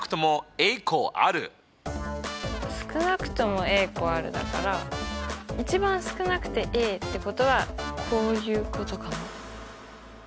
少なくとも個あるだから一番少なくてってことはこういうことかな。